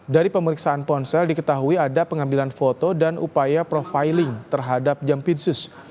dari pemeriksaan ponsel diketahui ada pengambilan foto dan upaya profiling terhadap jampitsus